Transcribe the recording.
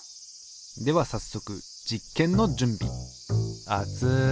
ではさっそく実験の準備。あつ。